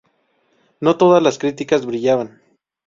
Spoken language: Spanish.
No todas las críticas brillaban.